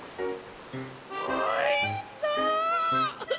おいしそう！